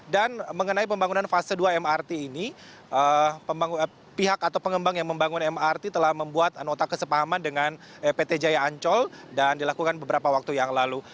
dan mengenai pembangunan fase dua mrt ini pihak atau pengembang yang membangun mrt telah membuat anota kesepahaman dengan pt jaya ancol dan dilakukan beberapa waktu yang lalu